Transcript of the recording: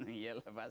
iya lah pak